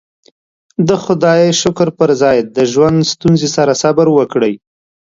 د خدايې شکر پر ځای د ژوند ستونزې سره صبر وکړئ.